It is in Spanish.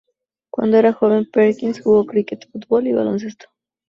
Cuando era joven, Perkins jugó cricket, fútbol y baloncesto.